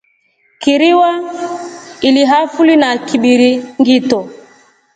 Kiriwa ilihaafuli na Kibiringito.